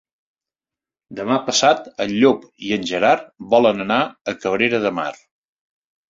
Demà passat en Llop i en Gerard volen anar a Cabrera de Mar.